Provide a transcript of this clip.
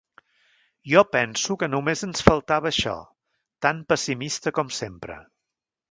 Jo penso que només ens faltava això, tan pessimista com sempre.